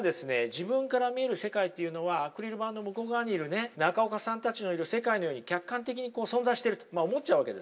自分から見える世界っていうのはアクリル板の向こう側にいるね中岡さんたちのいる世界のように客観的に存在してると思っちゃうわけですね。